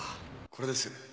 これです。